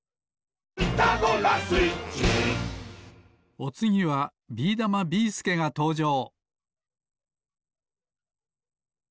おつぎはビーだまビーすけがとうじょう！